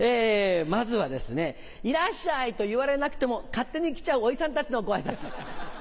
まずはいらっしゃい！と言われなくても勝手に来ちゃうおじさんたちのご挨拶。